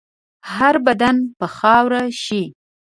هر بدن به خاوره شي.